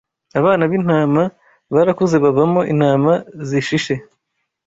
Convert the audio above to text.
Abana b’intama barakuze bavamo intama zishishe